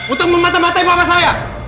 untuk mematah matai papa saya